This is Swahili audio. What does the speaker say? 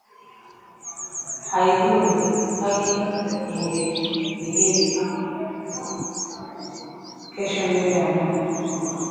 Haidhuru, haki ingedhihiri kesho mbele ya Mungu